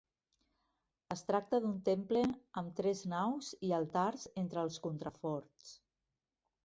Es tracta d'un temple amb tres naus i altars entre els contraforts.